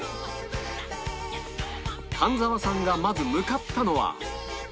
神沢さんがまず向かったのは